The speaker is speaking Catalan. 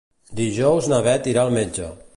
Dijous na Beth irà al metge.